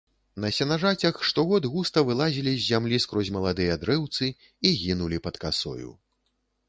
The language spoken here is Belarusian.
На сенажацях штогод густа вылазілі з зямлі скрозь маладыя дрэўцы і гінулі пад касою.